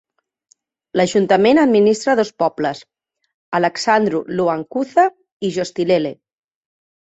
L'ajuntament administra dos pobles: Alexandru Ioan Cuza i Gostilele.